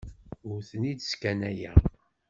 Ur ten-id-sskanayeɣ.